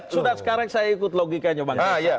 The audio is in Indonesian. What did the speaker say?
sudah sekarang saya ikut logikanya bang